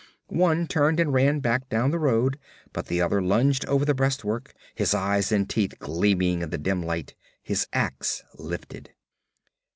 One turned and ran back down the road, but the other lunged over the breastwork, his eyes and teeth gleaming in the dim light, his ax lifted.